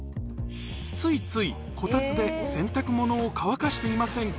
ついついこたつで洗濯物を乾かしていませんか？